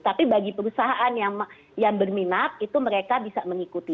tapi bagi perusahaan yang berminat itu mereka bisa mengikuti